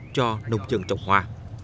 cho nông dân trồng hoa